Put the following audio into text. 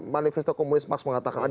manifesto komunis marx mengatakan